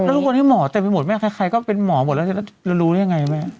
แล้วทุกคนที่หมอเต็มไปหมดไหมคล้ายก็เป็นหมอหมดแล้วแล้วรู้ได้ยังไงไหม